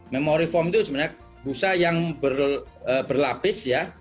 memory foam itu sebenarnya pusat yang berlapis ya